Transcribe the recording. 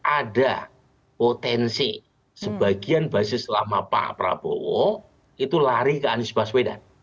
ada potensi sebagian basis lama pak prabowo itu lari ke anies baswedan